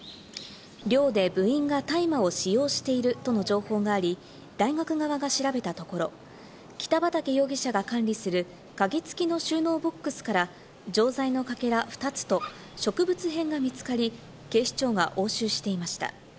寮で部員が大麻を使用しているとの情報があり、大学側が調べたところ、北畠容疑者が管理する、鍵付きの収納ボックスから錠剤のかけら２つと植物片が見つかり、警視庁が押収していました。